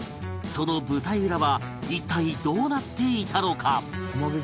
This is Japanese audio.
その舞台裏は一体どうなっていたのか？